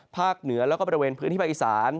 ภาคเหนือและบริเวณพื้นที่ภาคอิสาน